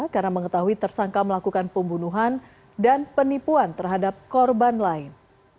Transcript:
karena mengetahui tersangka melakukan pembunuhan dan penipuan terhadap korban lain